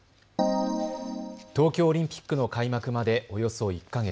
東京オリンピックの開幕までおよそ１か月。